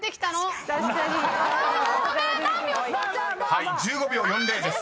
［はい１５秒４０です。